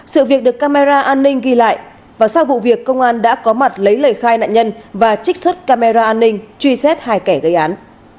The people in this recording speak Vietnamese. sự việc được camera an ninh ghi lại và sau vụ việc công an đã có mặt lấy lời khai nạn nhân và trích xuất camera an ninh truy xét hai kẻ gây án